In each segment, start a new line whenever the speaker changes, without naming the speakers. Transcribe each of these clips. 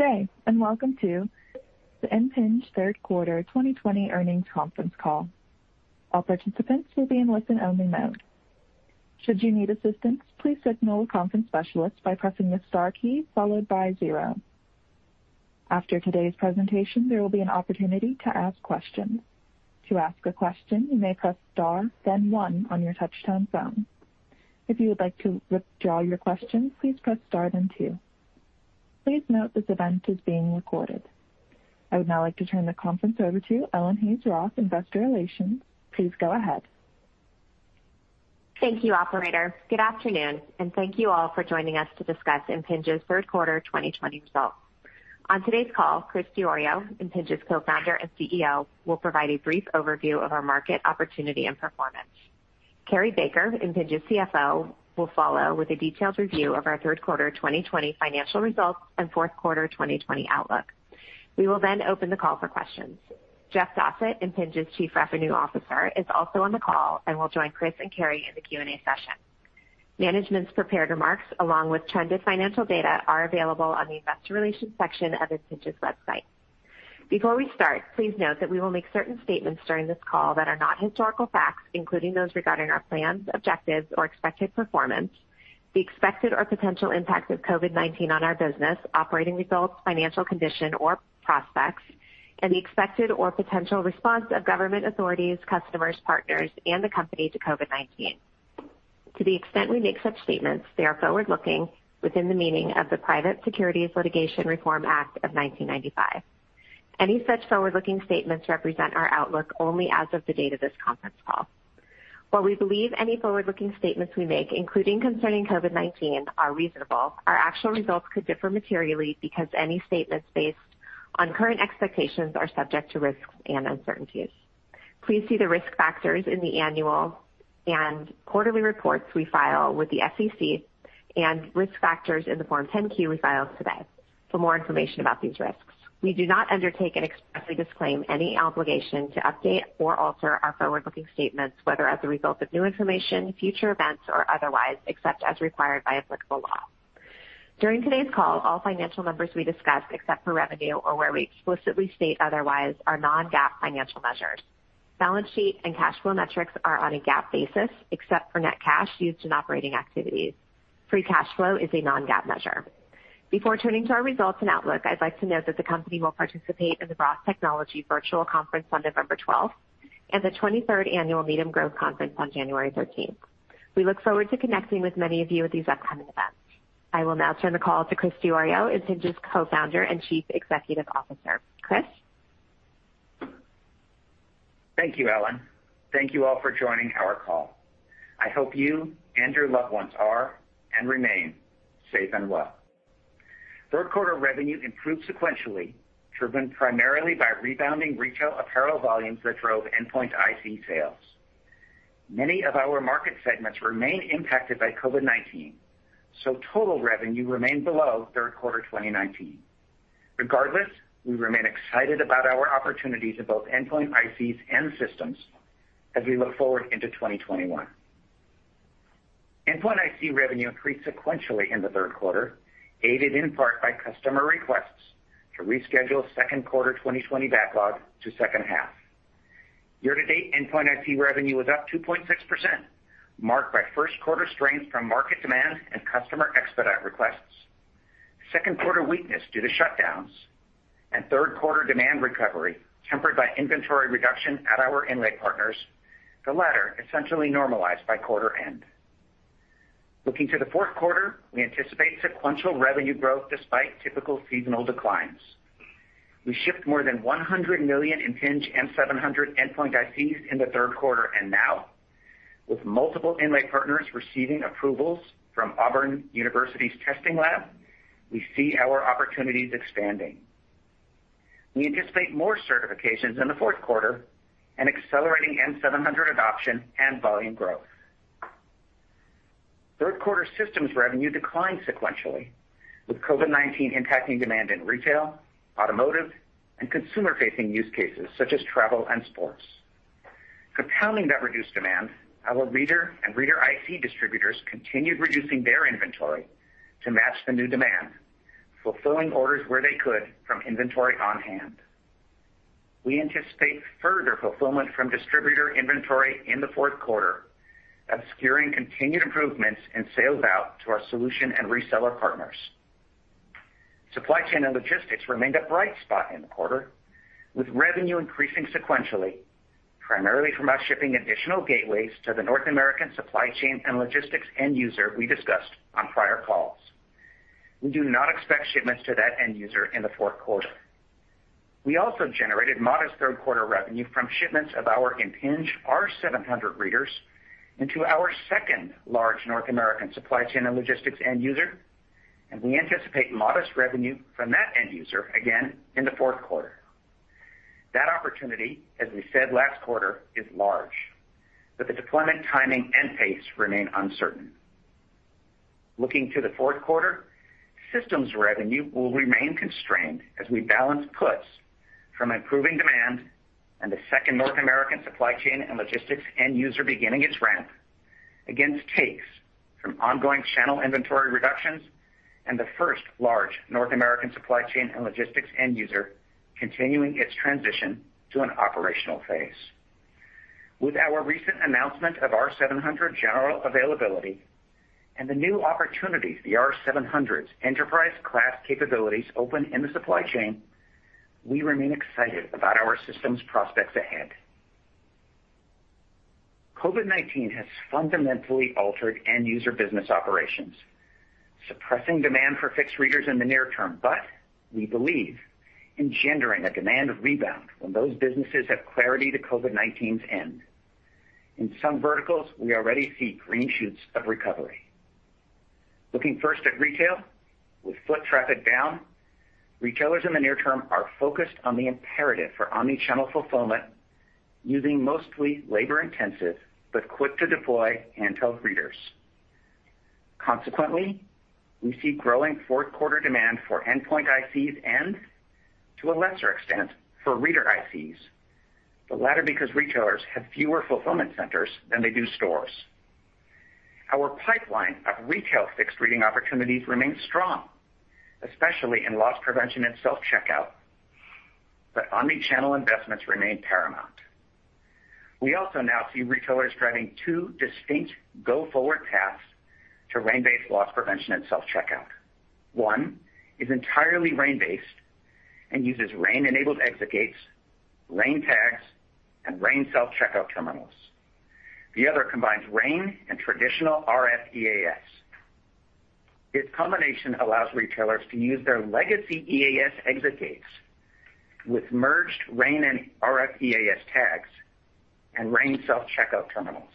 Good day, and welcome to the Impinj Q3 2020 earnings conference call. All participants will be in listen-only mode. Should you need assistance, please signal a conference specialist by pressing the star key followed by zero. After today's presentation, there will be an opportunity to ask questions. To ask a question, you may press star, then one on your touch-tone phone. If you would like to withdraw your question, please press star then two. Please note this event is being recorded. I would now like to turn the conference over to Ellen Hayes-Roth, Investor Relations. Please go ahead.
Thank you, Operator. Good afternoon and thank you all for joining us to discuss Impinj's Q3 2020 results. On today's call, Chris Diorio, Impinj's Co-Founder and CEO, will provide a brief overview of our market opportunity and performance. Cary Baker, Impinj's CFO, will follow with a detailed review of our Q3 2020 financial results and Q4 2020 outlook. We will then open the call for questions. Jeff Dossett, Impinj's Chief Revenue Officer, is also on the call and will join Chris and Cary in the Q&A session. Management's prepared remarks, along with trended financial data, are available on the Investor Relations section of Impinj's website. Before we start, please note that we will make certain statements during this call that are not historical facts, including those regarding our plans, objectives, or expected performance, the expected or potential impact of COVID-19 on our business, operating results, financial condition, or prospects, and the expected or potential response of government authorities, customers, partners, and the company to COVID-19. To the extent we make such statements, they are forward-looking within the meaning of the Private Securities Litigation Reform Act of 1995. Any such forward-looking statements represent our outlook only as of the date of this conference call. While we believe any forward-looking statements we make, including concerning COVID-19, are reasonable, our actual results could differ materially because any statements based on current expectations are subject to risks and uncertainties. Please see the risk factors in the annual and quarterly reports we file with the SEC and risk factors in the Form 10-Q we filed today for more information about these risks. We do not undertake and expressly disclaim any obligation to update or alter our forward-looking statements, whether as a result of new information, future events, or otherwise, except as required by applicable law. During today's call, all financial numbers we discuss, except for revenue or where we explicitly state otherwise, are non-GAAP financial measures. Balance sheet and cash flow metrics are on a GAAP basis, except for net cash used in operating activities. Free cash flow is a non-GAAP measure. Before turning to our results and outlook, I'd like to note that the company will participate in the ROTH Technology Virtual Conference on November 12th and the 23rd Annual Needham Growth Conference on January 13th. We look forward to connecting with many of you at these upcoming events. I will now turn the call to Chris Diorio, Impinj's Co-Founder and Chief Executive Officer. Chris.
Thank you, Ellen. Thank you all for joining our call. I hope you and your loved ones are and remain safe and well. Q3 revenue improved sequentially, driven primarily by rebounding retail apparel volumes that drove endpoint IC sales. Many of our market segments remain impacted by COVID-19, so total revenue remained below Q3 2019. Regardless, we remain excited about our opportunities in both endpoint ICs and systems as we look forward into 2021. Endpoint IC revenue increased sequentially in the Q3, aided in part by customer requests to reschedule Q2 2020 backlog to second half. Year-to-date endpoint IC revenue was up 2.6%, marked by Q1 strains from market demand and customer expedite requests, Q2 weakness due to shutdowns, and Q3 demand recovery tempered by inventory reduction at our inlay partners, the latter essentially normalized by quarter end. Looking to the Q4, we anticipate sequential revenue growth despite typical seasonal declines. We shipped more than 100 million Impinj M700 endpoint ICs in the Q3 and now, with multiple inlay partners receiving approvals from Auburn University's testing lab, we see our opportunities expanding. We anticipate more certifications in the Q4 and accelerating M700 adoption and volume growth. Q3 systems revenue declined sequentially, with COVID-19 impacting demand in retail, automotive, and consumer-facing use cases such as travel and sports. Compounding that reduced demand, our reader and reader IC distributors continued reducing their inventory to match the new demand, fulfilling orders where they could from inventory on hand. We anticipate further fulfillment from distributor inventory in the Q4, obscuring continued improvements in sales out to our solution and reseller partners. Supply chain and logistics remained a bright spot in the Q4, with revenue increasing sequentially, primarily from our shipping additional gateways to the North American supply chain and logistics end user we discussed on prior calls. We do not expect shipments to that end user in the Q4. We also generated modest Q3 revenue from shipments of our Impinj R700 readers into our second large North American supply chain and logistics end user, and we anticipate modest revenue from that end user again in the Q4. That opportunity, as we said last quarter, is large, but the deployment timing and pace remain uncertain. Looking to the Q4, systems revenue will remain constrained as we balance puts from improving demand and the second North American supply chain and logistics end user beginning its ramp against takes from ongoing channel inventory reductions and the first large North American supply chain and logistics end user continuing its transition to an operational phase. With our recent announcement of R700 general availability and the new opportunities the R700's enterprise-class capabilities open in the supply chain, we remain excited about our systems prospects ahead. COVID-19 has fundamentally altered end user business operations, suppressing demand for fixed readers in the near term, but we believe in engendering a demand rebound when those businesses have clarity to COVID-19's end. In some verticals, we already see green shoots of recovery. Looking first at retail, with foot traffic down, retailers in the near term are focused on the imperative for omnichannel fulfillment using mostly labor-intensive but quick-to-deploy handheld readers. Consequently, we see growing Q4 demand for endpoint ICs and, to a lesser extent, for reader ICs, the latter because retailers have fewer fulfillment centers than they do stores. Our pipeline of retail fixed reading opportunities remains strong, especially in loss prevention and self-checkout, but omnichannel investments remain paramount. We also now see retailers driving two distinct go-forward paths to RAIN-based loss prevention and self-checkout. One is entirely RAIN-based and uses RAIN-enabled exit gates, RAIN tags, and RAIN self-checkout terminals. The other combines RAIN and traditional RF EAS. Its combination allows retailers to use their legacy EAS exit gates with merged RAIN and RF EAS tags and RAIN self-checkout terminals.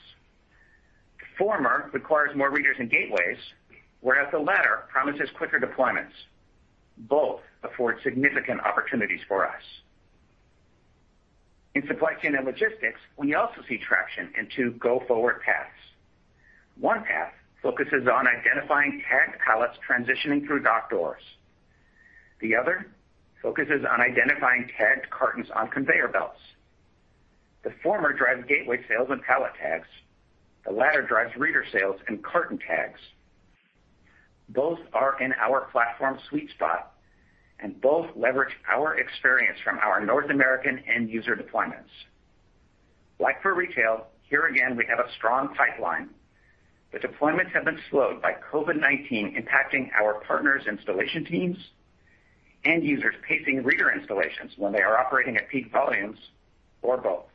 The former requires more readers and gateways, whereas the latter promises quicker deployments. Both afford significant opportunities for us. In supply chain and logistics, we also see traction in two go-forward paths. One path focuses on identifying tagged pallets transitioning through dock doors. The other focuses on identifying tagged cartons on conveyor belts. The former drives gateway sales and pallet tags. The latter drives reader sales and carton tags. Both are in our platform sweet spot, and both leverage our experience from our North American end user deployments. Like for retail, here again we have a strong pipeline. The deployments have been slowed by COVID-19 impacting our partners' installation teams and users pacing reader installations when they are operating at peak volumes or both.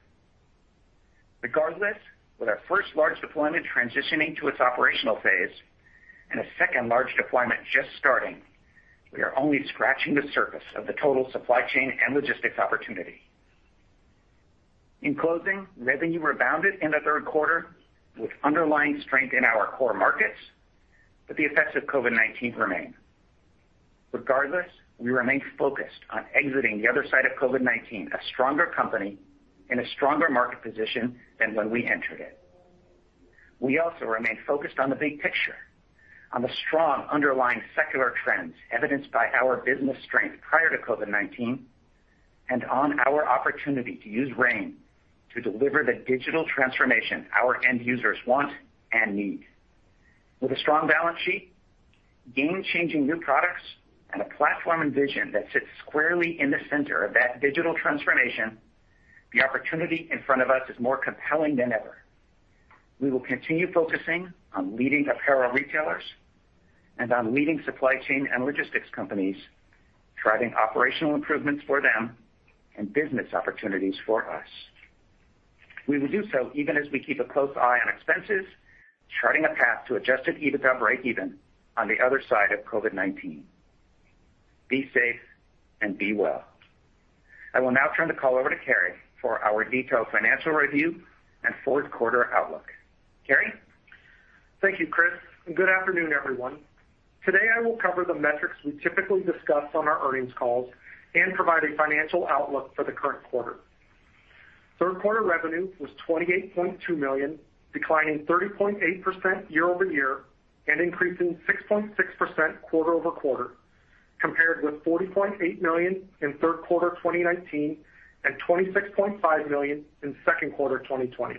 Regardless, with our first large deployment transitioning to its operational phase and a second large deployment just starting, we are only scratching the surface of the total supply chain and logistics opportunity. In closing, revenue rebounded in the Q3 with underlying strength in our core markets, but the effects of COVID-19 remain. Regardless, we remain focused on exiting the other side of COVID-19 a stronger company in a stronger market position than when we entered it. We also remain focused on the big picture, on the strong underlying secular trends evidenced by our business strength prior to COVID-19 and on our opportunity to use RAIN to deliver the digital transformation our end users want and need. With a strong balance sheet, game-changing new products, and a platform and vision that sits squarely in the center of that digital transformation, the opportunity in front of us is more compelling than ever. We will continue focusing on leading apparel retailers and on leading supply chain and logistics companies, driving operational improvements for them and business opportunities for us. We will do so even as we keep a close eye on expenses, charting a path to adjusted EBITDA break-even on the other side of COVID-19. Be safe and be well. I will now turn the call over to Cary for our detailed financial review and Q4 outlook. Cary?
Thank you, Chris. Good afternoon, everyone. Today I will cover the metrics we typically discuss on our earnings calls and provide a financial outlook for the current quarter. Q3 revenue was $28.2 million, declining 30.8% year-over-year and increasing 6.6% quarter-over-quarter, compared with $40.8 million in Q3 2019 and $26.5 million in Q2 2020.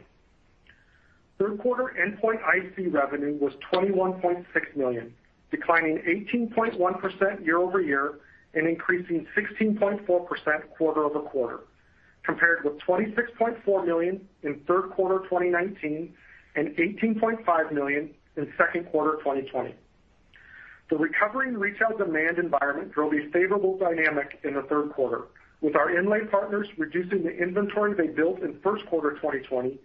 Q3 endpoint IC revenue was $21.6 million, declining 18.1% year-over-year and increasing 16.4% quarter-over-quarter, compared with $26.4 million in Q3 2019 and $18.5 million in Q2 2020. The recovering retail demand environment drove a favorable dynamic in the Q3, with our inlay partners reducing the inventory they built in Q1 2020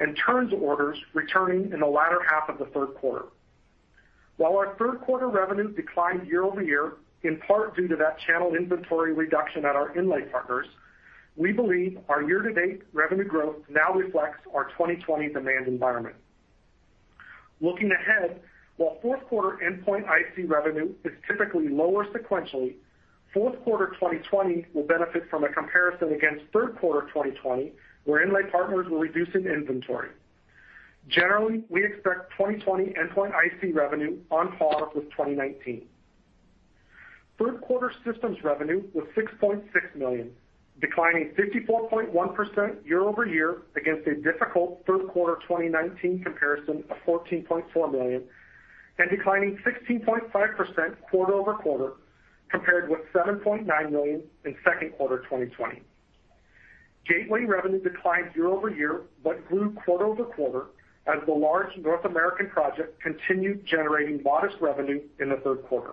and turns orders returning in the latter half of the Q3. While our Q3 revenue declined year-over-year in part due to that channel inventory reduction at our inlay partners, we believe our year-to-date revenue growth now reflects our 2020 demand environment. Looking ahead, while Q4 endpoint IC revenue is typically lower sequentially, Q4 2020 will benefit from a comparison against Q3 2020, where inlay partners were reducing inventory. Generally, we expect 2020 endpoint IC revenue on par with 2019. Q3 systems revenue was $6.6 million, declining 54.1% year-over-year against a difficult Q3 2019 comparison of $14.4 million and declining 16.5% quarter-over-quarter, compared with $7.9 million in Q2 2020. Gateway revenue declined year-over-year but grew quarter-over-quarter as the large North American project continued generating modest revenue in the Q3.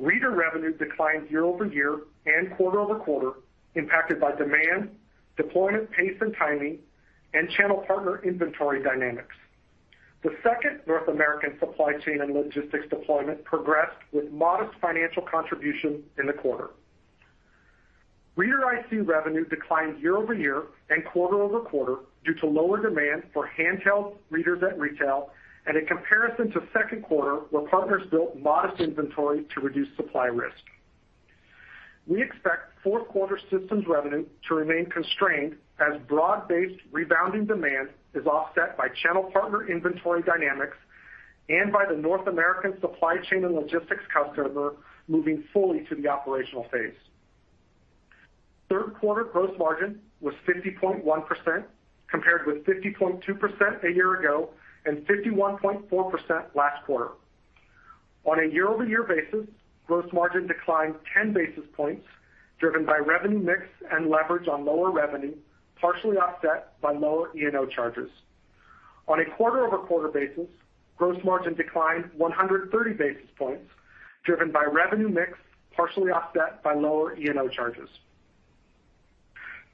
Reader revenue declined year-over-year and quarter-over-quarter, impacted by demand, deployment pace and timing, and channel partner inventory dynamics. The second North American supply chain and logistics deployment progressed with modest financial contribution in the quarter. Reader IC revenue declined year-over-year and quarter-over-quarter due to lower demand for handheld readers at retail and a comparison to Q2, where partners built modest inventory to reduce supply risk. We expect Q4 systems revenue to remain constrained as broad-based rebounding demand is offset by channel partner inventory dynamics and by the North American supply chain and logistics customer moving fully to the operational phase. Q3 gross margin was 50.1%, compared with 50.2% a year ago and 51.4% last quarter. On a year-over-year basis, gross margin declined 10 basis points, driven by revenue mix and leverage on lower revenue, partially offset by lower E&O charges. On a quarter-over-quarter basis, gross margin declined 130 basis points, driven by revenue mix partially offset by lower E&O charges.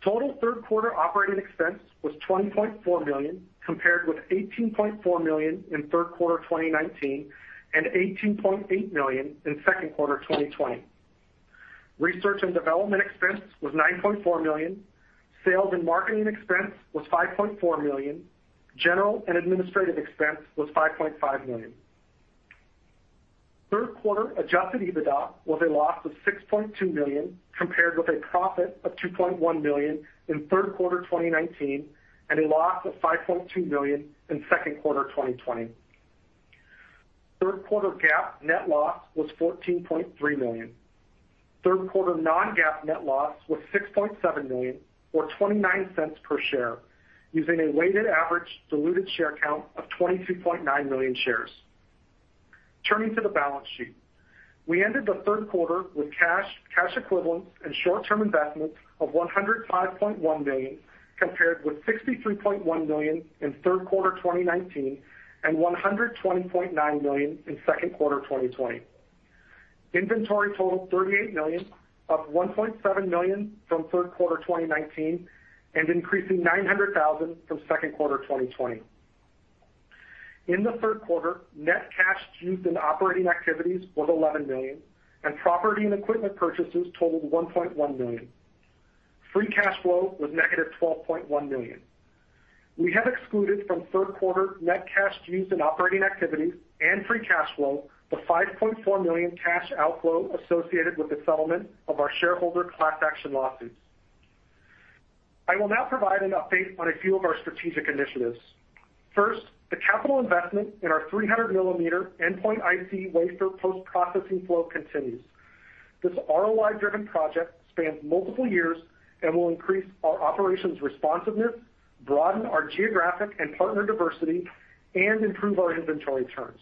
Total Q3 operating expense was $20.4 million, compared with $18.4 million in Q3 2019 and $18.8 million in Q2 2020. Research and development expense was $9.4 million, sales and marketing expense was $5.4 million, general and administrative expense was $5.5 million. Q3 Adjusted EBITDA was a loss of $6.2 million, compared with a profit of $2.1 million in Q3 2019 and a loss of $5.2 million in Q2 2020. Q3 GAAP net loss was $14.3 million. Q3 non-GAAP net loss was $6.7 million, or $0.29 per share, using a weighted average diluted share count of 22.9 million shares. Turning to the balance sheet, we ended the Q3 with cash, cash equivalents, and short-term investments of $105.1 million, compared with $63.1 million in Q3 2019 and $120.9 million in Q2 2020. Inventory totaled $38 million, up $1.7 million from Q3 2019 and increasing $900,000 from Q2 2020. In the Q3, net cash used in operating activities was $11 million, and property and equipment purchases totaled $1.1 million. Free cash flow was -$12.1 million. We have excluded from Q3 net cash used in operating activities and free cash flow the $5.4 million cash outflow associated with the settlement of our shareholder class action lawsuits. I will now provide an update on a few of our strategic initiatives. First, the capital investment in our 300 mm endpoint IC wafer post-processing flow continues. This ROI-driven project spans multiple years and will increase our operations responsiveness, broaden our geographic and partner diversity, and improve our inventory turns.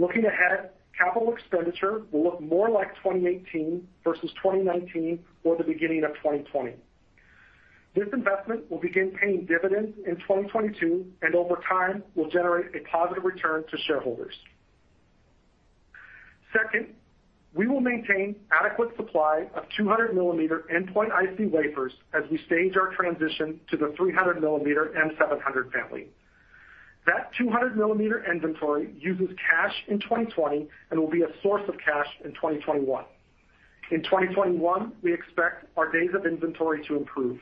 Looking ahead, capital expenditure will look more like 2018 versus 2019 or the beginning of 2020. This investment will begin paying dividends in 2022 and over time will generate a positive return to shareholders. Second, we will maintain adequate supply of 200 mm endpoint IC wafers as we stage our transition to the 300 mm M700 family. That 200 mm inventory uses cash in 2020 and will be a source of cash in 2021. In 2021, we expect our days of inventory to improve.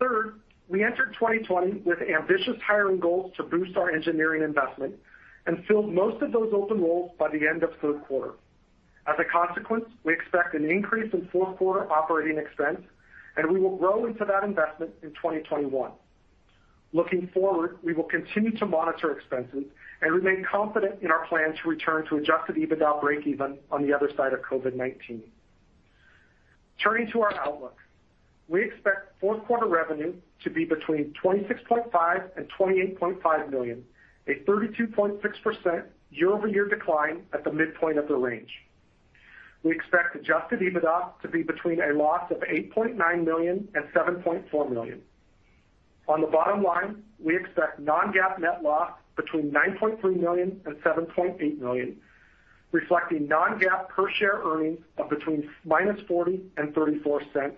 Third, we entered 2020 with ambitious hiring goals to boost our engineering investment and filled most of those open roles by the end of Q3. As a consequence, we expect an increase in Q4 operating expense, and we will grow into that investment in 2021. Looking forward, we will continue to monitor expenses and remain confident in our plan to return to Adjusted EBITDA break-even on the other side of COVID-19. Turning to our outlook, we expect Q4 revenue to be between $26.5 million-$28.5 million, a 32.6% year-over-year decline at the midpoint of the range. We expect Adjusted EBITDA to be between a loss of $8.9 million and $7.4 million. On the bottom line, we expect non-GAAP net loss between $9.3 million and $7.8 million, reflecting non-GAAP per share earnings of between -$0.40 and $0.34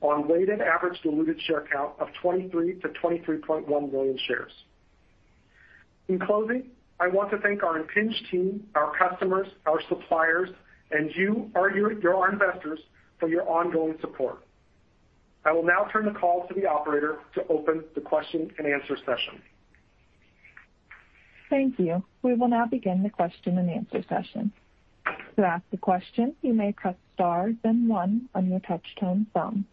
on weighted average diluted share count of 23 million-23.1 million shares. In closing, I want to thank our Impinj team, our customers, our suppliers, and you, our investors, for your ongoing support. I will now turn the call to the operator to open the question-and-answer session.
Thank you. We will now begin the question-and-answer session. To ask a question, you may press star then one on your touch-tone phone.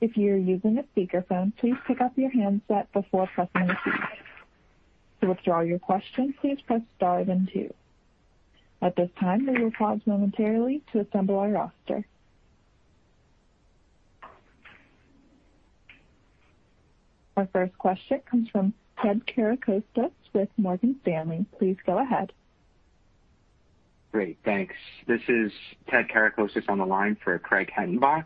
If you are using a speakerphone, please pick up your handset before pressing repeat. To withdraw your question, please press star then two. At this time, we will pause momentarily to assemble our roster. Our first question comes from [Ted Caracosta] with Morgan Stanley. Please go ahead.
Great. Thanks. This is [Ted Caracosta] on the line for Craig Hettenbach.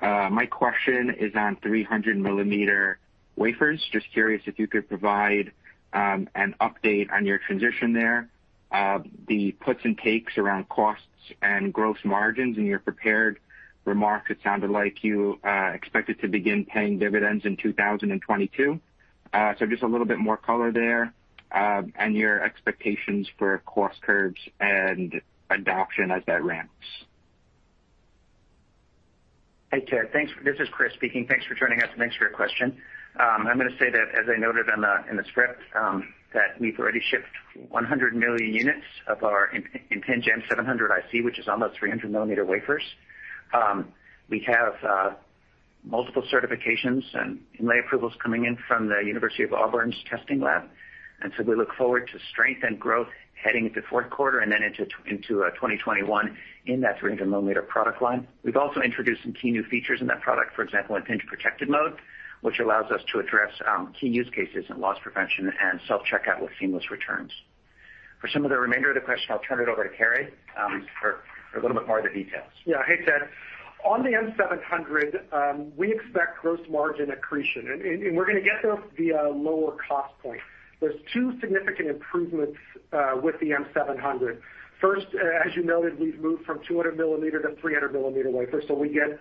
My question is on 300 mm wafers. Just curious if you could provide an update on your transition there, the puts and takes around costs and gross margins in your prepared remarks. It sounded like you expected to begin paying dividends in 2022. So just a little bit more color there and your expectations for cost curves and adoption as that ramps.
Hey, Ted. This is Chris speaking. Thanks for joining us and thanks for your question. I'm going to say that, as I noted in the script, that we've already shipped 100 million units of our Impinj M700 IC, which is on those 300 mm wafers. We have multiple certifications and inlay approvals coming in from Auburn's testing lab. And so we look forward to strength and growth heading into Q4 and then into 2021 in that 300 mm product line. We've also introduced some key new features in that product, for example, Impinj Protected Mode, which allows us to address key use cases and loss prevention and self-checkout with seamless returns. For some of the remainder of the question, I'll turn it over to Cary for a little bit more of the details.
Yeah, hey, Ted. On the M700, we expect gross margin accretion, and we're going to get there via a lower cost point. There's two significant improvements with the M700. First, as you noted, we've moved from 200 mm to 300 mm wafers, so we get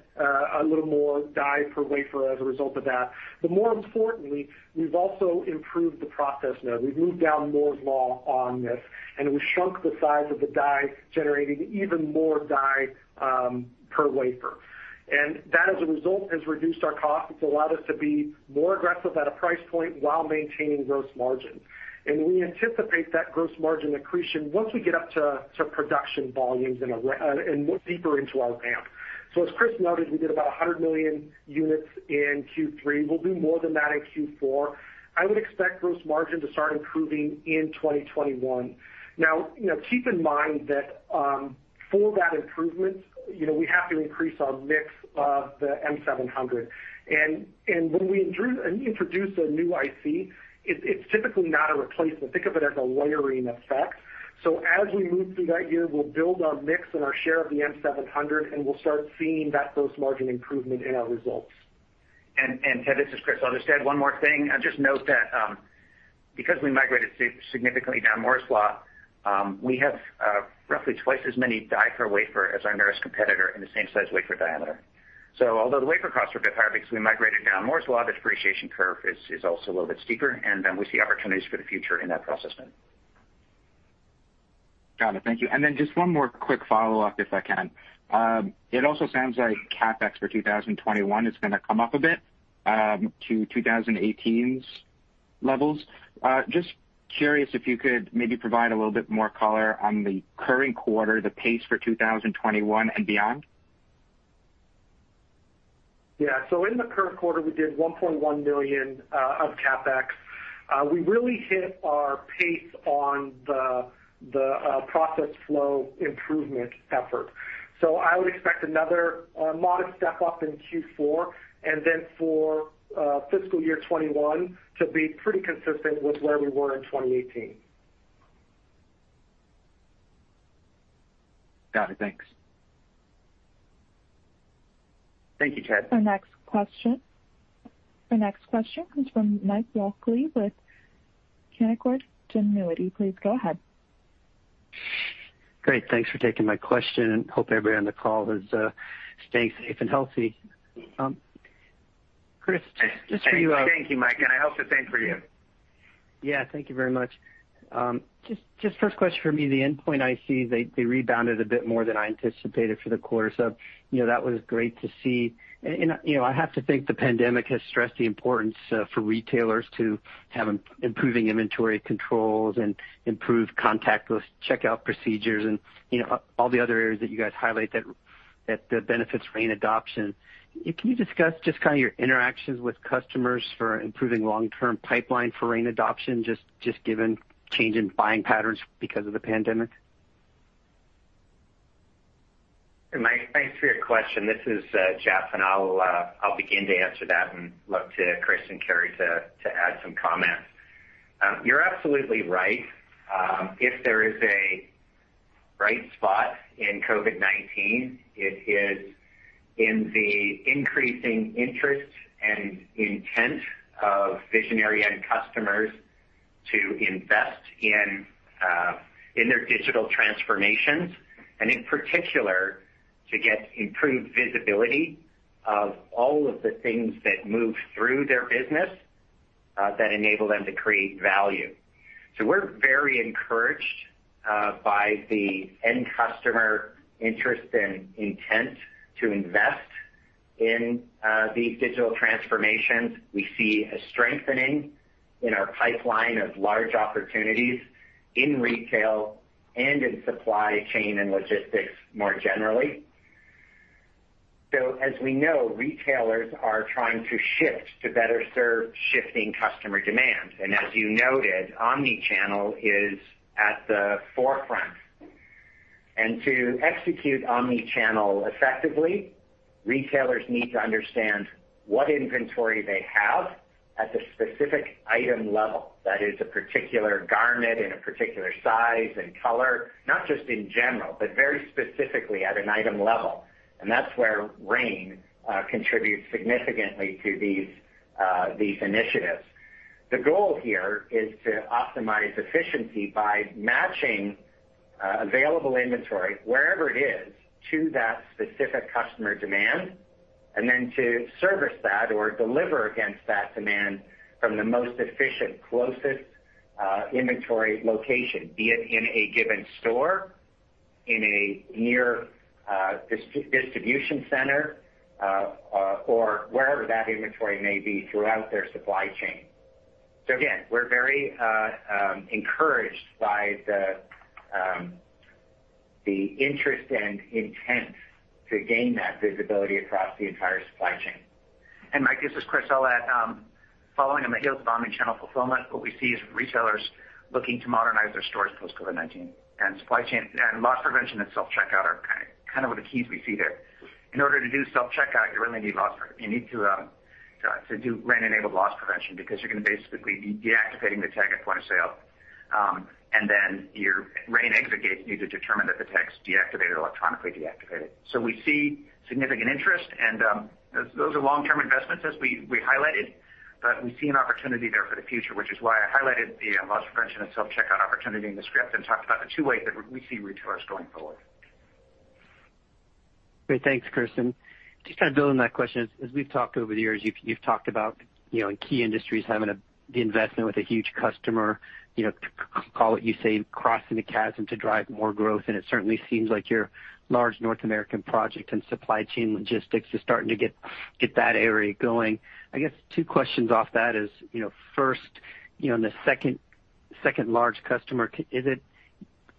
a little more die per wafer as a result of that. But more importantly, we've also improved the process node. We've moved down Moore's Law on this, and we've shrunk the size of the die, generating even more die per wafer. And that, as a result, has reduced our cost. It's allowed us to be more aggressive at a price point while maintaining gross margin. And we anticipate that gross margin accretion once we get up to production volumes and deeper into our ramp. So as Chris noted, we did about 100 million units in Q3. We'll do more than that in Q4. I would expect gross margin to start improving in 2021. Now, keep in mind that for that improvement, we have to increase our mix of the M700. And when we introduce a new IC, it's typically not a replacement. Think of it as a layering effect. So, as we move through that year, we'll build our mix and our share of the M700, and we'll start seeing that gross margin improvement in our results.
And Ted, this is Chris. I'll just add one more thing. Just note that because we migrated significantly down Moore's Law, we have roughly twice as many die per wafer as our nearest competitor in the same size wafer diameter. So although the wafer costs are a bit higher because we migrated down Moore's Law, the depreciation curve is also a little bit steeper, and we see opportunities for the future in that process node.
Got it. Thank you. And then just one more quick follow-up, if I can. It also sounds like CapEx for 2021 is going to come up a bit to 2018's levels. Just curious if you could maybe provide a little bit more color on the current quarter, the pace for 2021 and beyond?
Yeah. So in the current quarter, we did $1.1 million of CapEx. We really hit our pace on the process flow improvement effort. So, I would expect another modest step up in Q4 and then for fiscal year 2021 to be pretty consistent with where we were in 2018.
Got it. Thanks.
Thank you, Ted.
Our next question. Our next question is from Mike Walkley with Canaccord Genuity. Please go ahead.
Great. Thanks for taking my question. Hope everybody on the call is staying safe and healthy. Chris, just for you.
Thank you, Mike, and I hope the same for you.
Yeah. Thank you very much. Just first question for me, the endpoint IC, they rebounded a bit more than I anticipated for the quarter. So that was great to see. And I have to think the pandemic has stressed the importance for retailers to have improving inventory controls and improved contactless checkout procedures and all the other areas that you guys highlight that benefits RAIN adoption. Can you discuss just kind of your interactions with customers for improving long-term pipeline for RAIN adoption, just given change in buying patterns because of the pandemic?
Thanks for your question. This is Jeff, and I'll begin to answer that and look to Chris and Cary to add some comments. You're absolutely right. If there is a bright spot in COVID-19, it is in the increasing interest and intent of visionary end customers to invest in their digital transformations and, in particular, to get improved visibility of all of the things that move through their business that enable them to create value, so we're very encouraged by the end customer interest and intent to invest in these digital transformations. We see a strengthening in our pipeline of large opportunities in retail and in supply chain and logistics more generally, so as we know, retailers are trying to shift to better serve shifting customer demand, and as you noted, omnichannel is at the forefront. To execute omnichannel effectively, retailers need to understand what inventory they have at the specific item level, that is, a particular garment in a particular size and color, not just in general, but very specifically at an item level. That's where RAIN contributes significantly to these initiatives. The goal here is to optimize efficiency by matching available inventory, wherever it is, to that specific customer demand and then to service that or deliver against that demand from the most efficient, closest inventory location, be it in a given store, in a near distribution center, or wherever that inventory may be throughout their supply chain. Again, we're very encouraged by the interest and intent to gain that visibility across the entire supply chain.
Mike, this is Chris. I'll add. Following on the heels of omnichannel fulfillment, what we see is retailers looking to modernize their stores post-COVID-19. And loss prevention and self-checkout are kind of the keys we see there. In order to do self-checkout, you really need to do RAIN-enabled loss prevention because you're going to basically be deactivating the tag at point of sale. And then your RAIN exit gates need to determine that the tag's deactivated or electronically deactivated. So we see significant interest, and those are long-term investments, as we highlighted. But we see an opportunity there for the future, which is why I highlighted the loss prevention and self-checkout opportunity in the script and talked about the two ways that we see retailers going forward.
Great. Thanks, Chris. And just kind of building on that question, as we've talked over the years, you've talked about key industries having the investment with a huge customer, call it, you say, crossing the chasm to drive more growth. And it certainly seems like your large North American project in supply chain logistics is starting to get that area going. I guess two questions off that is, first, the second large customer, is it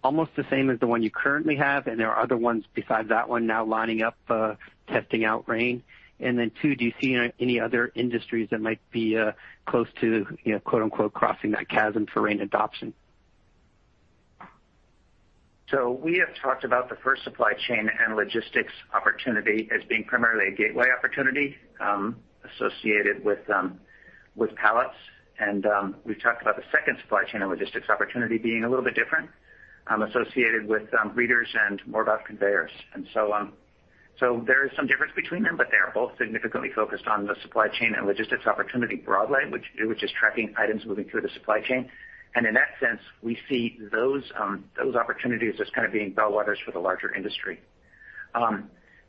almost the same as the one you currently have? And there are other ones besides that one now lining up, testing out RAIN? And then two, do you see any other industries that might be close to "crossing that chasm" for RAIN adoption?
So we have talked about the first supply chain and logistics opportunity as being primarily a gateway opportunity associated with pallets. And we've talked about the second supply chain and logistics opportunity being a little bit different, associated with readers and more about conveyors. And so there is some difference between them, but they are both significantly focused on the supply chain and logistics opportunity broadly, which is tracking items moving through the supply chain. And in that sense, we see those opportunities as kind of being bellwethers for the larger industry.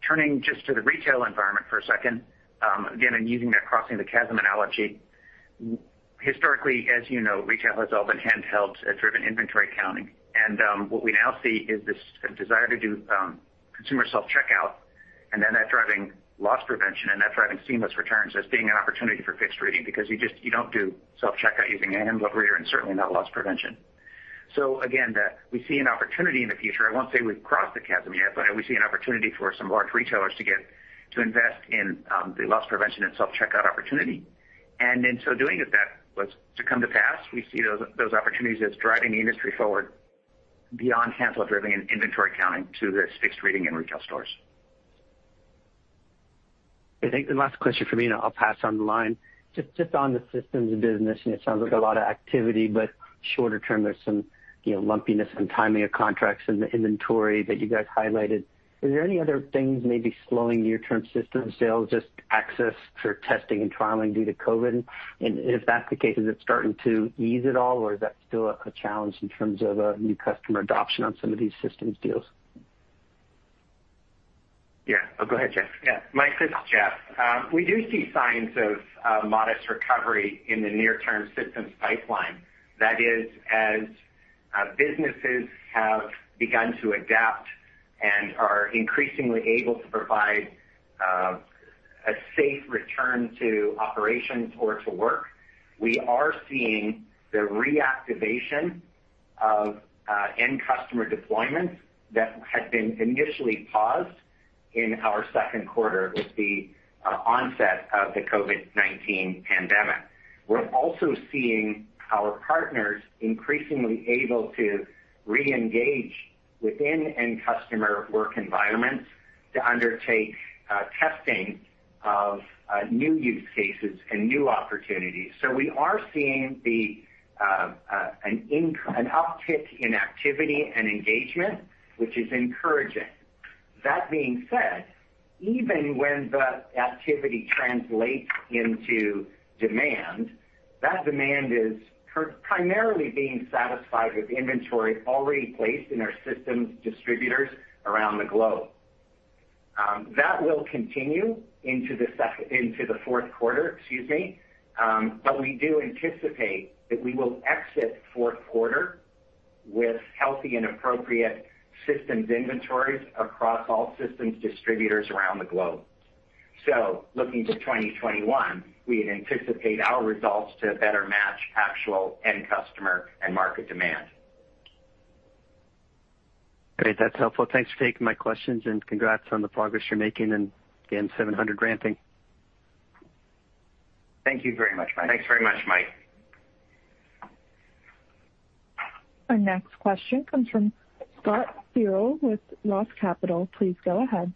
Turning just to the retail environment for a second, again, and using that crossing the chasm analogy, historically, as you know, retail has all been handheld, driven inventory counting. What we now see is this desire to do consumer self-checkout, and then that driving loss prevention, and that driving seamless returns, as being an opportunity for fixed readers because you don't do self-checkout using a handheld reader, and certainly not loss prevention. Again, we see an opportunity in the future. I won't say we've crossed the chasm yet, but we see an opportunity for some large retailers to invest in the loss prevention and self-checkout opportunity. In so doing, if that was to come to pass, we see those opportunities as driving the industry forward beyond handheld driving and inventory counting to these fixed readers in retail stores.
I think the last question for me, and I'll pass on the line. Just on the systems business, it sounds like a lot of activity, but shorter term, there's some lumpiness and timing of contracts in the inventory that you guys highlighted. Is there any other things maybe slowing near-term system sales, just access for testing and trialing due to COVID? And if that's the case, is it starting to ease at all, or is that still a challenge in terms of new customer adoption on some of these systems deals?
Yeah. Oh, go ahead, Jeff.
Yeah. Mike, this is Jeff. We do see signs of modest recovery in the near-term systems pipeline. That is, as businesses have begun to adapt and are increasingly able to provide a safe return to operations or to work, we are seeing the reactivation of end customer deployments that had been initially paused in our second quarter with the onset of the COVID-19 pandemic. We're also seeing our partners increasingly able to reengage within end customer work environments to undertake testing of new use cases and new opportunities. So we are seeing an uptick in activity and engagement, which is encouraging. That being said, even when the activity translates into demand, that demand is primarily being satisfied with inventory already placed in our systems distributors around the globe. That will continue into the Q4, excuse me. But we do anticipate that we will exit Q4 with healthy and appropriate systems inventories across all systems distributors around the globe. So looking to 2021, we anticipate our results to better match actual end customer and market demand.
Great. That's helpful. Thanks for taking my questions and congrats on the progress you're making in the M700 ramping.
Thank you very much, Mike.
Thanks very much, Mike.
Our next question comes from Scott Searle with ROTH Capital. Please go ahead.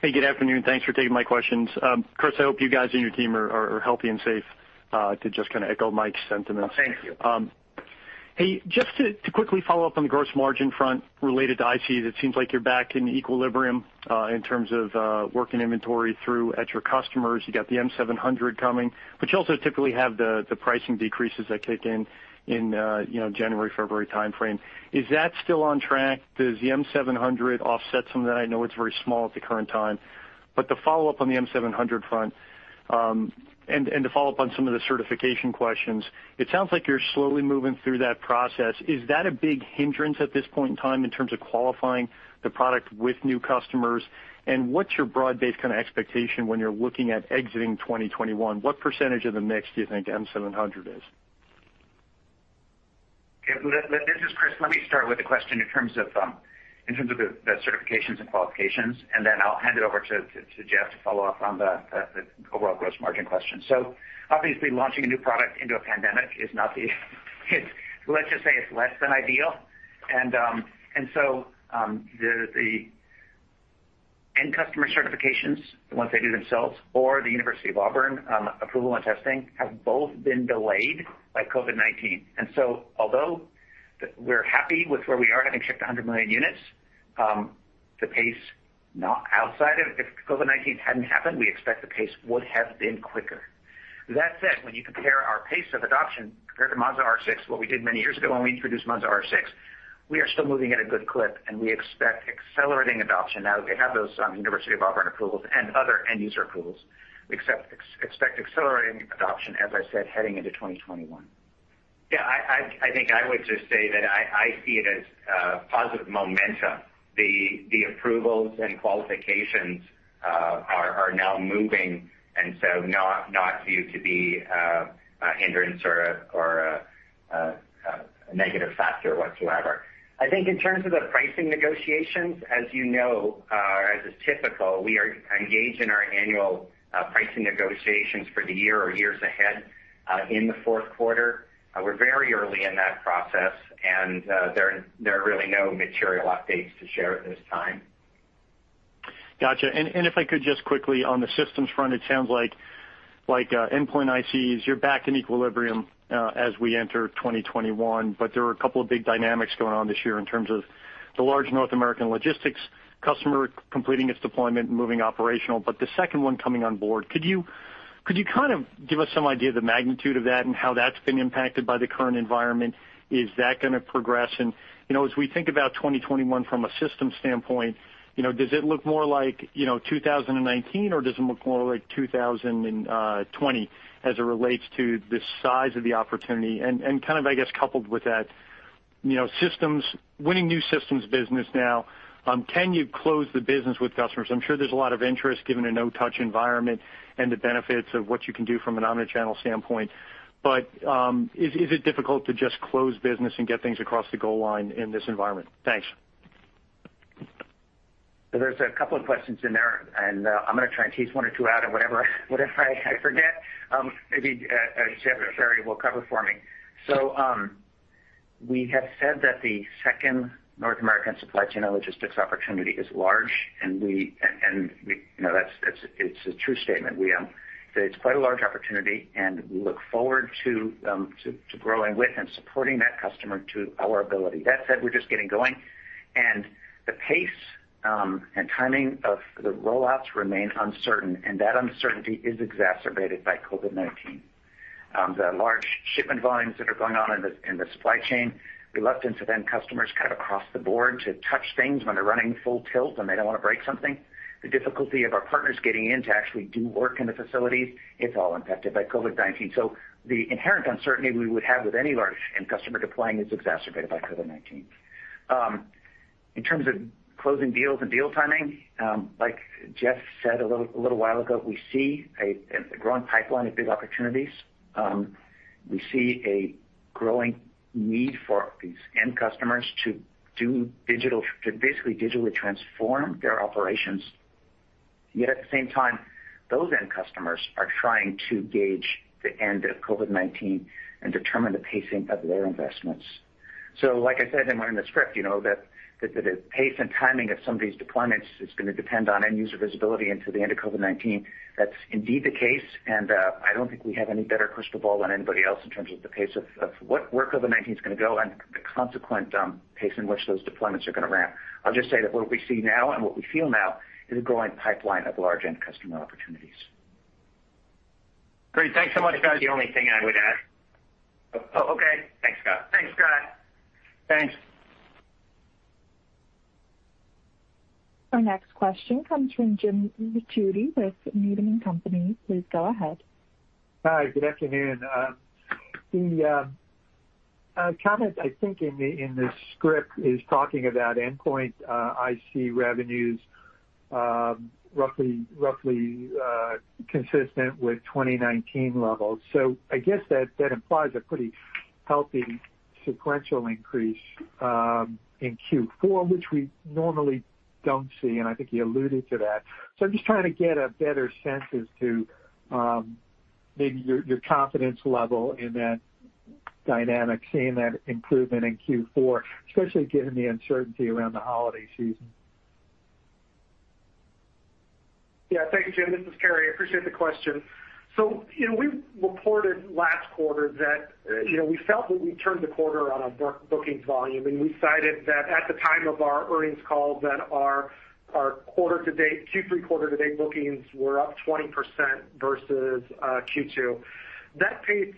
Hey, good afternoon. Thanks for taking my questions. Chris, I hope you guys and your team are healthy and safe, too, to just kind of echo Mike's sentiments.
Thank you.
Hey, just to quickly follow up on the gross margin front related to ICs, it seems like you're back in equilibrium in terms of working inventory through at your customers. You got the M700 coming, but you also typically have the pricing decreases that kick in in January, February timeframe. Is that still on track? Does the M700 offset some of that? I know it's very small at the current time. But the follow-up on the M700 front and the follow-up on some of the certification questions, it sounds like you're slowly moving through that process. Is that a big hindrance at this point in time in terms of qualifying the product with new customers? And what's your broad-based kind of expectation when you're looking at exiting 2021? What percentage of the mix do you think M700 is?
This is Chris. Let me start with the question in terms of the certifications and qualifications, and then I'll hand it over to Jeff to follow up on the overall gross margin question, so obviously, launching a new product into a pandemic is not the. Let's just say it's less than ideal, and so the end customer certifications, the ones they do themselves, or the Auburn University approval and testing have both been delayed by COVID-19, and so although we're happy with where we are having checked 100 million units, the pace. Now, outside of if COVID-19 hadn't happened, we expect the pace would have been quicker. That said, when you compare our pace of adoption compared to Monza R6, what we did many years ago when we introduced Monza R6, we are still moving at a good clip, and we expect accelerating adoption now that we have those Auburn University approvals and other end-user approvals. We expect accelerating adoption, as I said, heading into 2021.
Yeah, I think I would just say that I see it as positive momentum. The approvals and qualifications are now moving, and so not viewed to be hindrance or a negative factor whatsoever. I think in terms of the pricing negotiations, as you know, as is typical, we engage in our annual pricing negotiations for the year or years ahead in the Q4. We're very early in that process, and there are really no material updates to share at this time.
Gotcha. And if I could just quickly on the systems front, it sounds like endpoint ICs, you're back in equilibrium as we enter 2021, but there are a couple of big dynamics going on this year in terms of the large North American logistics customer completing its deployment and moving operational. But the second one coming on board, could you kind of give us some idea of the magnitude of that and how that's been impacted by the current environment? Is that going to progress? And as we think about 2021 from a system standpoint, does it look more like 2019, or does it look more like 2020 as it relates to the size of the opportunity? And kind of, I guess, coupled with that, winning new systems business now, can you close the business with customers? I'm sure there's a lot of interest given a no-touch environment and the benefits of what you can do from an omnichannel standpoint. But is it difficult to just close business and get things across the goal line in this environment? Thanks.
There's a couple of questions in there, and I'm going to try and tease one or two out or whatever I forget. Maybe Cary will cover for me. So we have said that the second North American supply chain and logistics opportunity is large, and it's a true statement. It's quite a large opportunity, and we look forward to growing with and supporting that customer to our ability. That said, we're just getting going. The pace and timing of the rollouts remain uncertain, and that uncertainty is exacerbated by COVID-19. The large shipment volumes that are going on in the supply chain, reluctance of end customers kind of across the board to touch things when they're running full tilt and they don't want to break something, the difficulty of our partners getting in to actually do work in the facilities, it's all impacted by COVID-19. So the inherent uncertainty we would have with any large end customer deploying is exacerbated by COVID-19. In terms of closing deals and deal timing, like Jeff said a little while ago, we see a growing pipeline of big opportunities. We see a growing need for these end customers to basically digitally transform their operations. Yet at the same time, those end customers are trying to gauge the end of COVID-19 and determine the pacing of their investments. So like I said in the script, the pace and timing of some of these deployments is going to depend on end-user visibility into the end of COVID-19. That's indeed the case, and I don't think we have any better crystal ball than anybody else in terms of the pace of where COVID-19 is going to go and the consequent pace in which those deployments are going to ramp. I'll just say that what we see now and what we feel now is a growing pipeline of large end customer opportunities.
Great. Thanks so much, guys.
The only thing I would add - oh, okay. Thanks, Scott.
Thanks, Scott.
Thanks.
Our next question comes from Jim Ricchiuti with Needham & Company. Please go ahead.
Hi. Good afternoon. The comment I think in the script is talking about endpoint IC revenues roughly consistent with 2019 levels. So I guess that implies a pretty healthy sequential increase in Q4, which we normally don't see, and I think you alluded to that. So, I'm just trying to get a better sense as to maybe your confidence level in that dynamic, seeing that improvement in Q4, especially given the uncertainty around the holiday season?
Yeah. Thank you, Jim. This is Cary. Appreciate the question, so we reported last quarter that we felt that we turned the quarter on our bookings volume, and we cited that at the time of our earnings call that our Q3 quarter-to-date bookings were up 20% versus Q2. That pace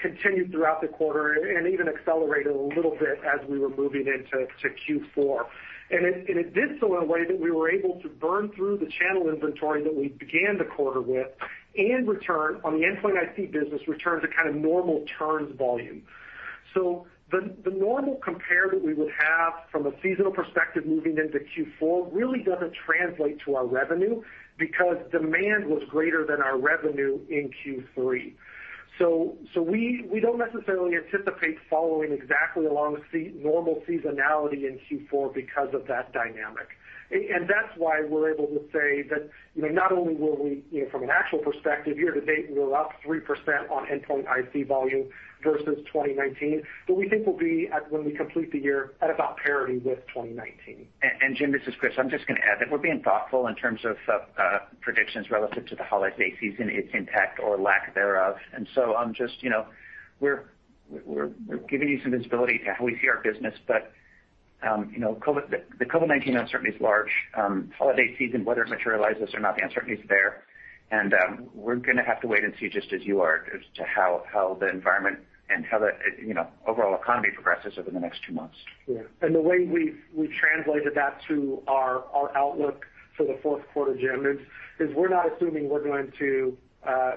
continued throughout the quarter and even accelerated a little bit as we were moving into Q4, and it did so in a way that we were able to burn through the channel inventory that we began the quarter with and return on the endpoint IC business return to kind of normal turns volume, so the normal compare that we would have from a seasonal perspective moving into Q4 really doesn't translate to our revenue because demand was greater than our revenue in Q3, so we don't necessarily anticipate following exactly along normal seasonality in Q4 because of that dynamic. And that's why we're able to say that not only will we, from an actual perspective, year to date, we're up 3% on endpoint IC volume versus 2019, but we think we'll be, when we complete the year, at about parity with 2019.
And Jim, this is Chris. I'm just going to add that we're being thoughtful in terms of predictions relative to the holiday season, its impact or lack thereof. And so just we're giving you some visibility to how we see our business, but the COVID-19 uncertainty is large. Holiday season, whether it materializes or not, the uncertainty is there. And we're going to have to wait and see, just as you are, as to how the environment and how the overall economy progresses over the next two months.
Yeah. And the way we've translated that to our outlook for the Q4, Jim, is we're not assuming we're going to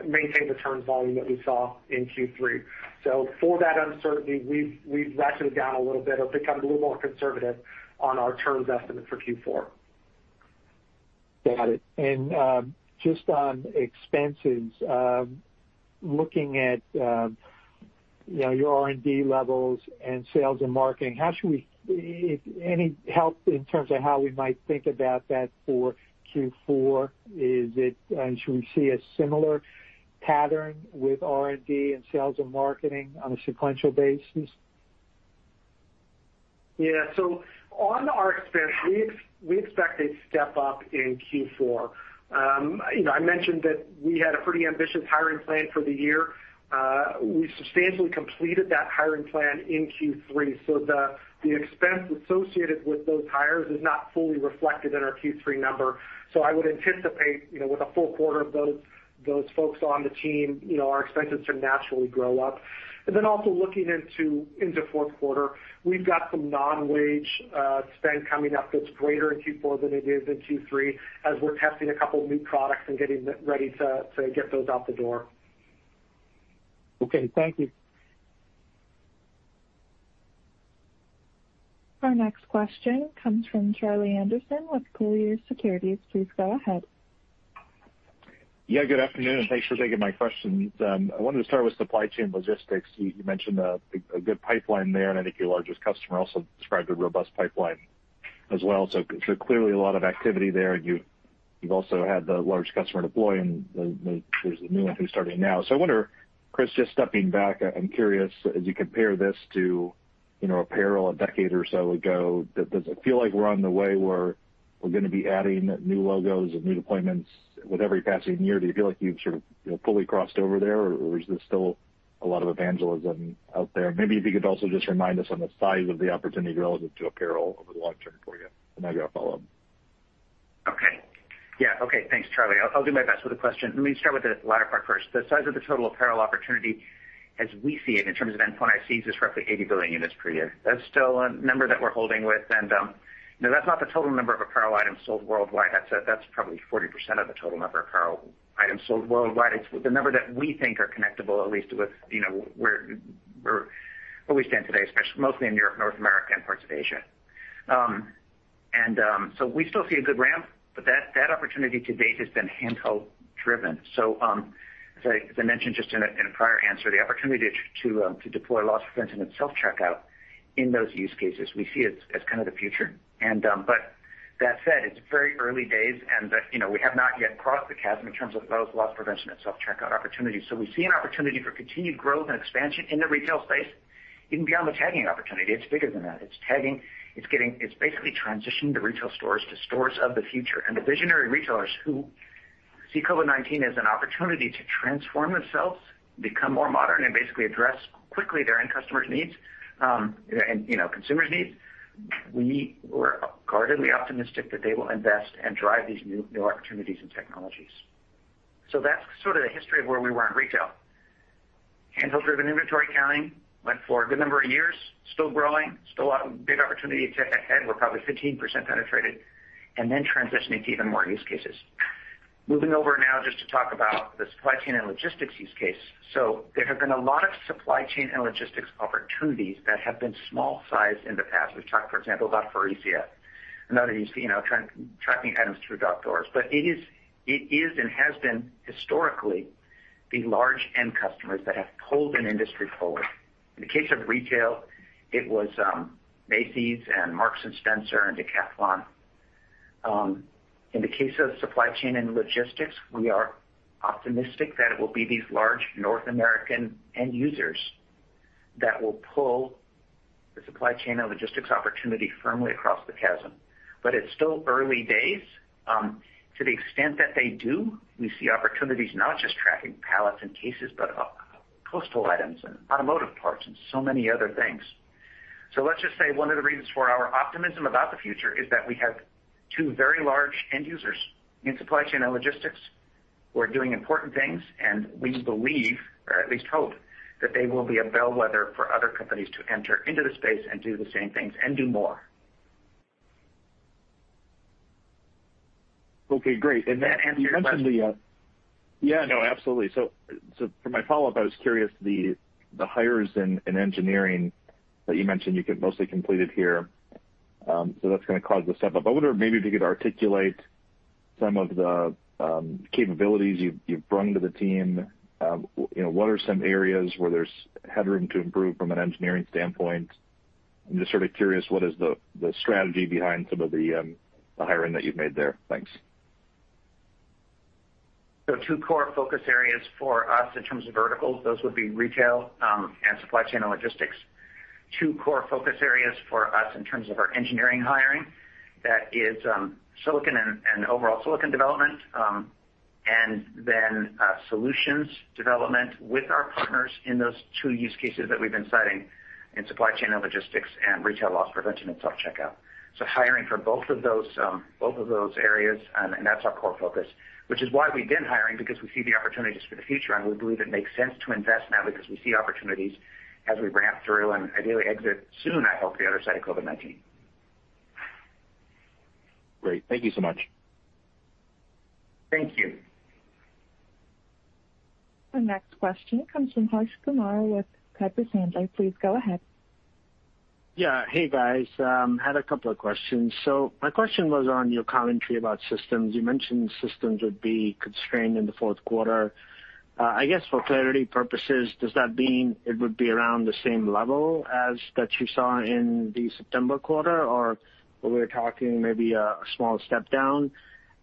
maintain the turns volume that we saw in Q3. So for that uncertainty, we've ratcheted down a little bit or become a little more conservative on our turns estimate for Q4.
Got it. And just on expenses, looking at your R&D levels and sales and marketing, how should we, any help in terms of how we might think about that for Q4? And should we see a similar pattern with R&D and sales and marketing on a sequential basis?
Yeah. So on our expenses, we expect a step up in Q4. I mentioned that we had a pretty ambitious hiring plan for the year. We substantially completed that hiring plan in Q3. So the expense associated with those hires is not fully reflected in our Q3 number. So I would anticipate with a full quarter of those folks on the team, our expenses should naturally grow up. And then also looking into Q4, we've got some non-wage spend coming up that's greater in Q4 than it is in Q3 as we're testing a couple of new products and getting ready to get those out the door.
Okay. Thank you.
Our next question comes from Charlie Anderson with Colliers Securities. Please go ahead.
Yeah. Good afternoon. Thanks for taking my questions. I wanted to start with supply chain logistics. You mentioned a good pipeline there, and I think your largest customer also described a robust pipeline as well. So clearly, a lot of activity there, and you've also had the large customer deploy, and there's a new one who's starting now. So, I wonder, Chris, just stepping back, I'm curious, as you compare this to apparel a decade or so ago, does it feel like we're on the way where we're going to be adding new logos and new deployments with every passing year? Do you feel like you've sort of fully crossed over there, or is there still a lot of evangelism out there? Maybe if you could also just remind us on the size of the opportunity relative to apparel over the long term for you, and I'll follow up.
Okay. Yeah. Okay. Thanks, Charlie. I'll do my best with the question. Let me start with the latter part first. The size of the total apparel opportunity, as we see it in terms of endpoint ICs, is roughly 80 billion units per year. That's still a number that we're holding with. And that's not the total number of apparel items sold worldwide. That's probably 40% of the total number of apparel items sold worldwide. It's the number that we think are connectable, at least with where we stand today, especially mostly in Europe, North America, and parts of Asia. And so, we still see a good ramp, but that opportunity to date has been handheld driven. So, as I mentioned just in a prior answer, the opportunity to deploy loss prevention and self-checkout in those use cases we see as kind of the future. But that said, it's very early days, and we have not yet crossed the chasm in terms of those loss prevention and self-checkout opportunities. So we see an opportunity for continued growth and expansion in the retail space, even beyond the tagging opportunity. It's bigger than that. It's tagging. It's basically transitioning the retail stores to stores of the future. And the visionary retailers who see COVID-19 as an opportunity to transform themselves, become more modern, and basically address quickly their end customers' needs and consumers' needs, we are guardedly optimistic that they will invest and drive these new opportunities and technologies. So that's sort of the history of where we were in retail. Handheld-driven inventory counting went for a good number of years, still growing, still a big opportunity ahead. We're probably 15% penetrated and then transitioning to even more use cases. Moving over now just to talk about the supply chain and logistics use case. So there have been a lot of supply chain and logistics opportunities that have been small-sized in the past. We've talked, for example, about Faurecia, another use for tracking items through dock doors. But it is and has been historically the large end customers that have pulled an industry forward. In the case of retail, it was Macy's and Marks & Spencer and Decathlon. In the case of supply chain and logistics, we are optimistic that it will be these large North American end users that will pull the supply chain and logistics opportunity firmly across the chasm. But it's still early days. To the extent that they do, we see opportunities not just tracking pallets and cases, but postal items and automotive parts and so many other things. Let's just say one of the reasons for our optimism about the future is that we have two very large end users in supply chain and logistics who are doing important things, and we believe, or at least hope, that they will be a bellwether for other companies to enter into the space and do the same things and do more.
Okay. Great. That answers my question. Yeah. No, absolutely. So, for my follow-up, I was curious, the hires and engineering that you mentioned, you mostly completed here. So that's going to cause the step-up. I wonder maybe if you could articulate some of the capabilities you've brought to the team. What are some areas where there's headroom to improve from an engineering standpoint? I'm just sort of curious, what is the strategy behind some of the hiring that you've made there? Thanks.
So two core focus areas for us in terms of verticals, those would be retail and supply chain and logistics. Two core focus areas for us in terms of our engineering hiring, that is silicon and overall silicon development, and then solutions development with our partners in those two use cases that we've been citing in supply chain and logistics and retail loss prevention and self-checkout. So hiring for both of those areas, and that's our core focus, which is why we did hiring, because we see the opportunities for the future, and we believe it makes sense to invest now because we see opportunities as we ramp through and ideally exit soon, I hope, the other side of COVID-19.
Great. Thank you so much.
Thank you.
Our next question comes from Harsh Kumar with Piper Sandler. Please go ahead.
Yeah. Hey, guys. I had a couple of questions. So my question was on your commentary about systems. You mentioned systems would be constrained in the Q4. I guess for clarity purposes, does that mean it would be around the same level as that you saw in the September quarter, or were we talking maybe a small step down?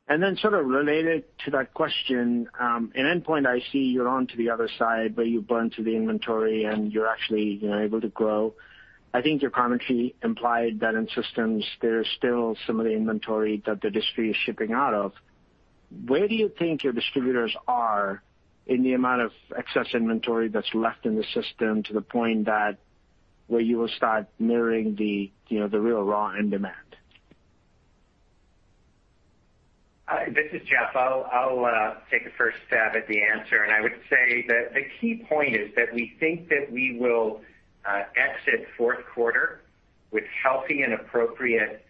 And then sort of related to that question, in endpoint IC, you're on to the other side, but you've burned through the inventory, and you're actually able to grow. I think your commentary implied that in systems, there's still some of the inventory that the distributor is shipping out of. Where do you think your distributors are in the amount of excess inventory that's left in the system to the point where you will start mirroring the real raw end demand?
This is Jeff. I'll take a first stab at the answer, and I would say that the key point is that we think that we will exit Q4 with healthy and appropriate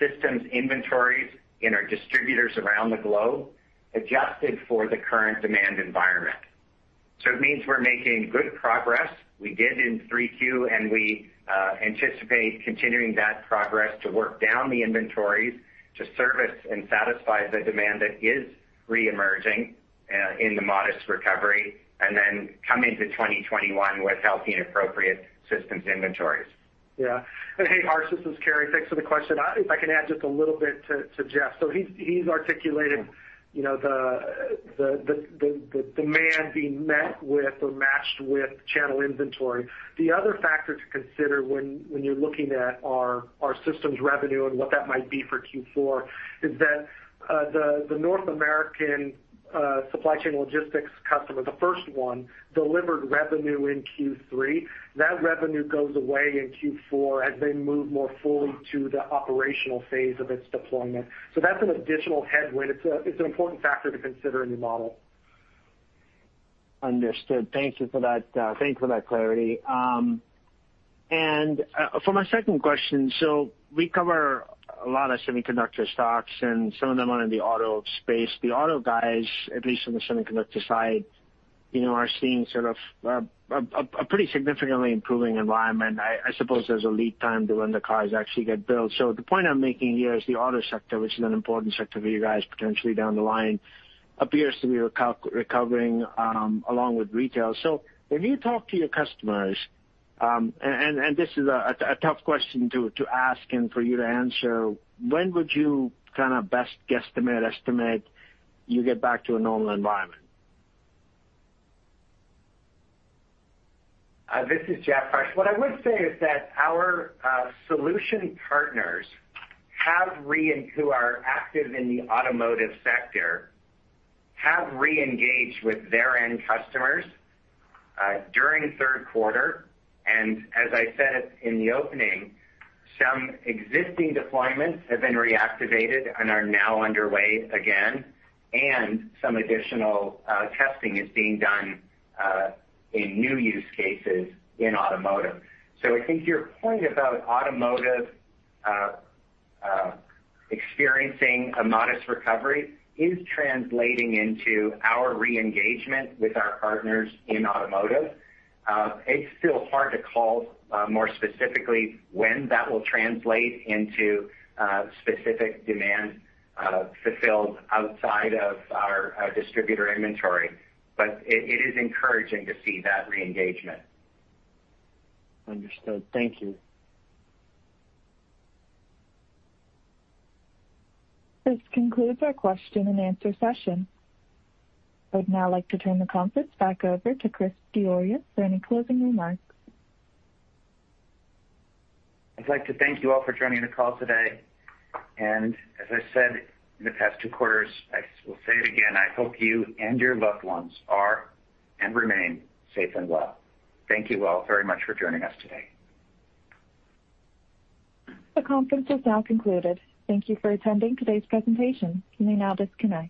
systems inventories in our distributors around the globe adjusted for the current demand environment. So it means we're making good progress. We did in 3Q, and we anticipate continuing that progress to work down the inventories to service and satisfy the demand that is reemerging in the modest recovery and then come into 2021 with healthy and appropriate systems inventories.
Yeah. Hey, Harsh, this is Cary. Thanks for the question. If I can add just a little bit to Jeff. So, he's articulated the demand being met with or matched with channel inventory. The other factor to consider when you're looking at our systems revenue and what that might be for Q4 is that the North American supply chain logistics customer, the first one, delivered revenue in Q3. That revenue goes away in Q4 as they move more fully to the operational phase of its deployment. So that's an additional headwind. It's an important factor to consider in your model.
Understood. Thank you for that. Thank you for that clarity, and for my second question, so we cover a lot of semiconductor stocks and some of them are in the auto space. The auto guys, at least on the semiconductor side, are seeing sort of a pretty significantly improving environment. I suppose there's a lead time to when the cars actually get built. So the point I'm making here is the auto sector, which is an important sector for you guys potentially down the line, appears to be recovering along with retail. So when you talk to your customers, and this is a tough question to ask and for you to answer, when would you kind of best guesstimate you get back to a normal environment?
This is Jeff, Harsh. What I would say is that our solution partners who are active in the automotive sector have re-engaged with their end customers during third quarter, and as I said in the opening, some existing deployments have been reactivated and are now underway again, and some additional testing is being done in new use cases in automotive, so I think your point about automotive experiencing a modest recovery is translating into our re-engagement with our partners in automotive. It's still hard to call more specifically when that will translate into specific demand fulfilled outside of our distributor inventory, but it is encouraging to see that re-engagement.
Understood. Thank you.
This concludes our question-and-answer session. I would now like to turn the conference back over to Chris Diorio for any closing remarks.
I'd like to thank you all for joining the call today, and as I said in the past two quarters, I will say it again, I hope you and your loved ones are and remain safe and well. Thank you all very much for joining us today.
The conference is now concluded. Thank you for attending today's presentation. You may now disconnect.